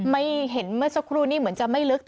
ไม่เห็นเมื่อสักครู่นี้เหมือนจะไม่ลึก